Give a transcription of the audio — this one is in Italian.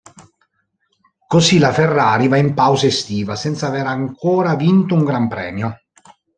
Così la Ferrari va in pausa estiva senza aver ancora vinto un Gran Premio.